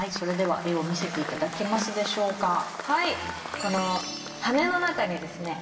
この羽の中にですね